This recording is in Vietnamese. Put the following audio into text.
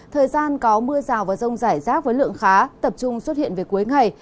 thời gian có mưa rào và rông rải rác với lượng khá tập trung xuất hiện về cuối ngày